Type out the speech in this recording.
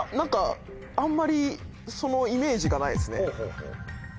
あんまりそのイメージがないですね。